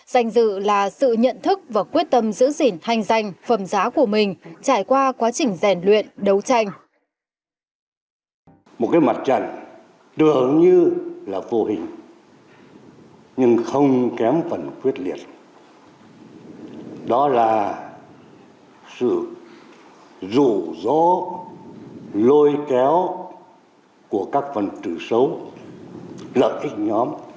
danh dự là sự nhận thức và quyết tâm giữ gìn thanh danh phẩm giá của mình trải qua quá trình rèn luyện đấu tranh